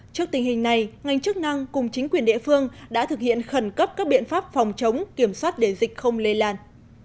trước tình hình này ngành chức năng cùng chính quyền địa phương đã thực hiện khẩn cấp các biện pháp phòng chống kiểm soát để dịch không lây lan